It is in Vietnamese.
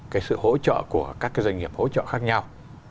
cái sự hỗ trợ của các cái doanh nghiệp hỗ trợ khác nhau